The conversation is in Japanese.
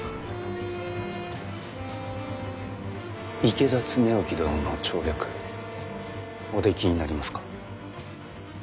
池田恒興殿の調略おできになりますか？